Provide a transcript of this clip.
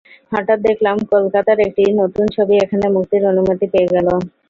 হঠাৎ দেখলাম কলকাতার একটি নতুন ছবি এখানে মুক্তির অনুমতি পেয়ে গেল।